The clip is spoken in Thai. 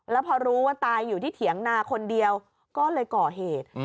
แล้วพอรู้ว่าตายอยู่ที่เถียงนาคนเดียวก็เลยก่อเหตุ